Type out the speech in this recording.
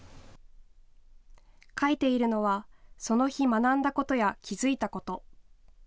書いているのはその日、学んだことや気付いたこと。